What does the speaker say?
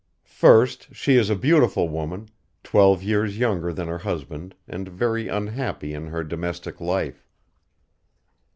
"First, she is a beautiful woman, twelve years younger than her husband and very unhappy in her domestic life.